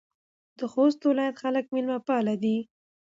د خوست ولایت خلک میلمه پاله دي.